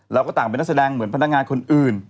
เราก็ต่างเป็นนักแสดงเหมือนพนักงานคนอื่น